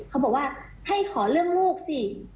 เขาบอกว่าให้ขอเรื่องลูกสิ